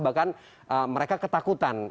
bahkan mereka ketakutan